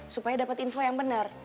supaya dapat info yang benar